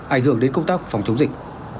ảnh hưởng đến công tác phòng chống dịch